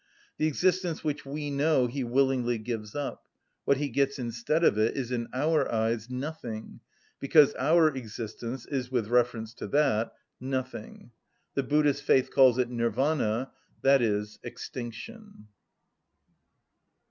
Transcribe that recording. The existence which we know he willingly gives up: what he gets instead of it is in our eyes nothing, because our existence is, with reference to that, nothing. The Buddhist faith calls it Nirvana,(34) i.e., extinction.